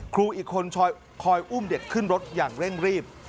ครูอีกคนคอยอุ้มเด็กขึ้นรถอย่างเร่งรีบ